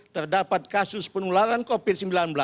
terdapat kasus penularan covid sembilan belas